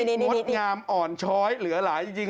งดงามอ่อนช้อยเหลือหลายจริง